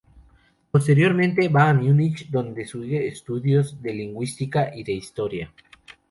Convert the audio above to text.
Posteriormente, va a Múnich donde sigue estudios de Lingüística y de Historia.